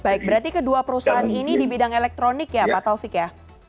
baik berarti kedua perusahaan ini di bidang elektronik ya pak taufik ya